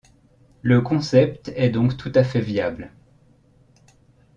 Le concept est donc tout à fait viable.